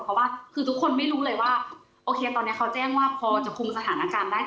เพราะว่าคือทุกคนไม่รู้เลยว่าโอเคตอนนี้เขาแจ้งว่าพอจะคุมสถานการณ์ได้